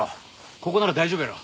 ここなら大丈夫やろ。